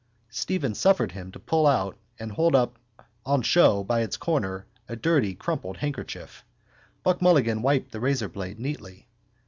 Stephen suffered him to pull out and hold up on show by its corner a dirty crumpled handkerchief. Buck Mulligan wiped the razorblade neatly.